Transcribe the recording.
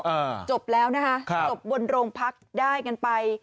อ่าจบแล้วนะคะครับจบบนโรงพักได้กันไป